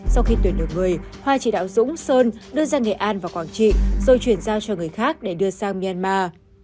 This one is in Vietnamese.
sau khi tuyển được người hoa chỉ đạo dũng sơn đưa ra nghệ an và quảng trị rồi chuyển giao cho người khác để đưa sang myanmar